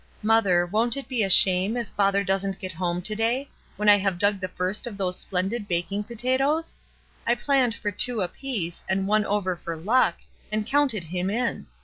Mother, won't it be a shame if father doesn't get home to day, when I have dug the first of those splendid baking potatoes? I planned for two apiece and one over for luck, and counted him in.